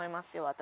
私。